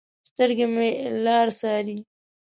سترګې مې لار څارې